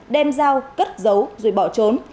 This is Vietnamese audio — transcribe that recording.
đem dao cất dấu rồi bỏ trốn